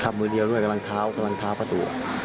ขับมือเดียวด้วยกำลังเท้าประตู